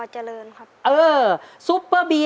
จิตตะสังวโรครับ